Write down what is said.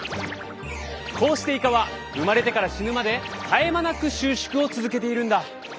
こうしてイカは生まれてから死ぬまで絶え間なく収縮を続けているんだ。